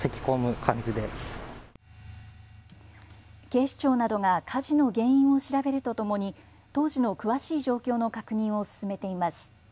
警視庁などが火事の原因を調べるとともに当時の詳しい状況の確認を進めています。